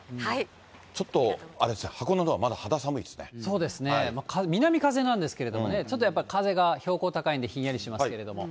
ちょっと、そうですね、南風なんですけどね、ちょっとやっぱり風が、標高高いんでひんやりしますけれども。